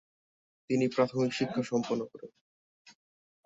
তিনি প্রাথমিক শিক্ষা সম্পন্ন করেন।